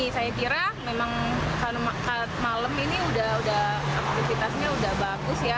saya kira memang saat malam ini aktivitasnya sudah bagus ya